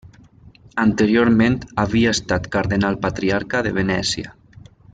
Anteriorment havia estat Cardenal-Patriarca de Venècia.